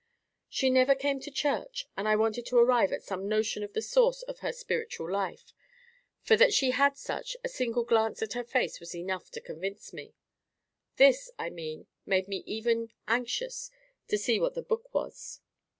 She never came to church, and I wanted to arrive at some notion of the source of her spiritual life; for that she had such, a single glance at her face was enough to convince me. This, I mean, made me even anxious to see what the book was.